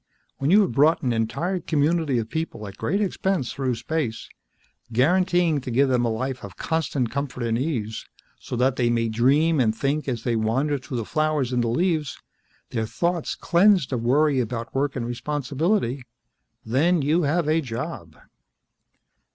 When you have brought an entire community of people at great expense through space, guaranteeing to give them a life of constant comfort and ease, so that they might dream and think as they wander through the flowers and the leaves, their thoughts cleansed of worry about work and responsibility, then you have a job.